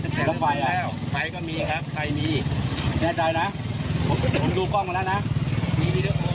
ถึงเวลาประมาณทุ่มนึงมันก็ติดแล้ว